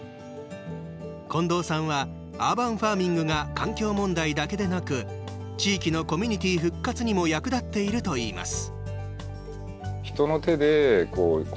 近藤さんはアーバンファーミングが環境問題だけでなく地域のコミュニティー復活にも役立っているといいます。